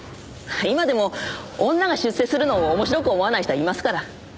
今でも女が出世するのを面白く思わない人はいますから。